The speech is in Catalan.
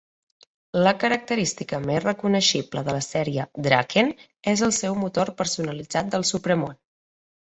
La característica més reconeixible de la sèrie "Drakkhen" és el seu motor personalitzat del supramón.